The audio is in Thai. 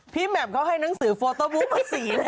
พี่แมมให้นังสือโฟโต้บลุกมา๔เล่ม